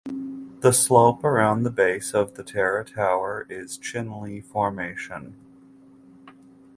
The slope around the base of Terra Tower is Chinle Formation.